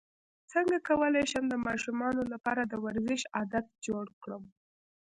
څنګه کولی شم د ماشومانو لپاره د ورزش عادت جوړ کړم